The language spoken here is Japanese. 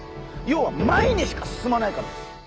要は前にしか進まないからです。